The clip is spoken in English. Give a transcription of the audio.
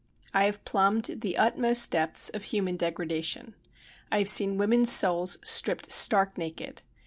I have plumbed the utmost depths of human degradation. I have seen women's souls stripped stark naked.